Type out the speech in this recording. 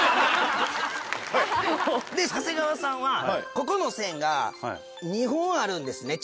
で長谷川さんはここの線が２本あるんですね。